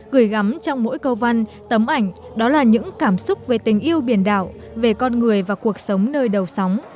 gửi gắm trong mỗi câu văn tấm ảnh đó là những cảm xúc về tình yêu biển đảo về con người và cuộc sống nơi đầu sóng